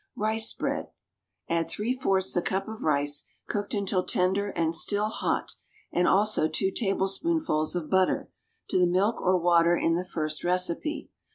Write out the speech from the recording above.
=Rice Bread.= Add three fourths a cup of rice, cooked until tender and still hot, and, also, two tablespoonfuls of butter, to the milk or water in the first recipe.